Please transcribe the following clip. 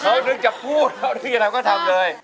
เขานึกจะพูดเดี๋ยวเราก็ทำเลย